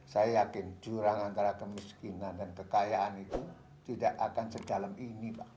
saya yakin jurang antara kemiskinan dan kekayaan itu tidak akan sedalam ini pak